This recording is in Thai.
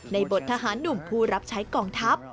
บททหารหนุ่มผู้รับใช้กองทัพ